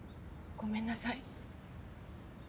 ごめんなさい。